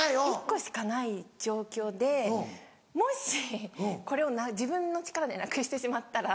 １個しかない状況でもしこれを自分の力でなくしてしまったら。